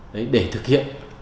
đấy để thực hiện